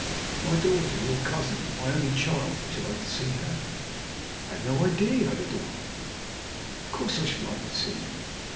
"My daughter your cousin. My only child! Would you like to see her?" "I had no idea you had a daughter. Of course I should like to see her!"